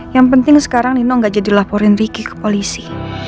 yang penting sekarang nino nggak jadi laporin ricky ke polisi